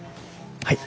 はい。